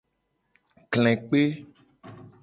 Kle kpe.